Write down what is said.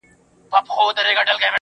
تا د امیل مرۍ راغونډې کړې روانه شولې